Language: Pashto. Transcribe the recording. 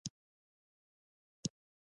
د شېرمحمد تندي ګونځې پيدا کړې.